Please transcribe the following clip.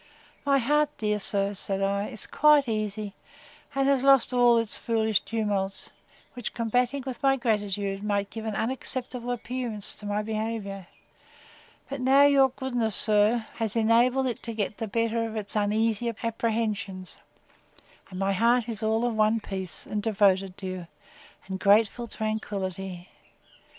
—My heart, dear sir, said I, is quite easy, and has lost all its foolish tumults, which, combating with my gratitude, might give an unacceptable appearance to my behaviour: but now your goodness, sir, has enabled it to get the better of its uneasy apprehensions, and my heart is all of one piece, and devoted to you, and grateful tranquillity.